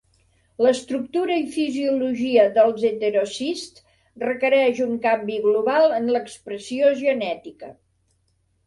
L'estructura i fisiologia dels heterocists requereix un canvi global en l'expressió genètica.